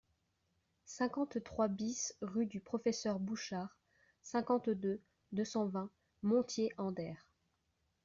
cinquante-trois BIS rue du Professeur Bouchard, cinquante-deux, deux cent vingt, Montier-en-Der